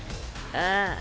ああ。